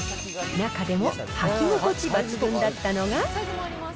中でも履き心地抜群だったのが。